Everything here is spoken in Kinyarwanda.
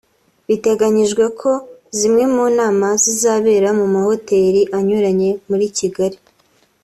Biteganyijwe ko zimwe mu nama zizabera mu mahoteli anyuranye muri Kigali